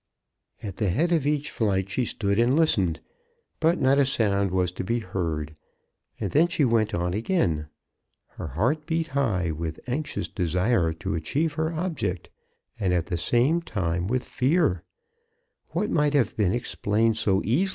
At the head of each flight she stood and listened, but not a sound was to be heard, and then she went on again. Her heart beat high with anxious desire to achieve her object, and at the same l6 CHRISTMAS AT THOMPSON HALL.